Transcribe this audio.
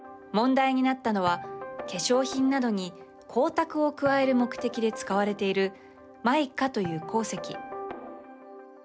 問題になったのは、化粧品などに光沢を加える目的で使われている「マイカ」という鉱石。